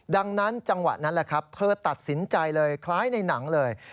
ดังนั้นจังหวะนั้นแหละครับเธอตัดสินใจเลยคล้ายในหนังเลย